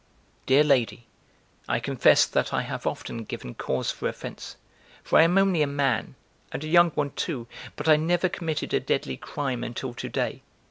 Dear lady, I confess that I have often given cause for offense, for I am only a man, and a young one, too, but I never committed a deadly crime until today!